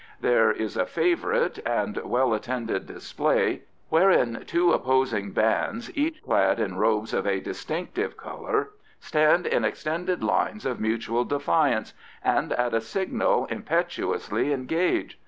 There is a favourite and well attended display wherein two opposing bands, each clad in robes of a distinctive colour, stand in extended lines of mutual defiance, and at a signal impetuously engage.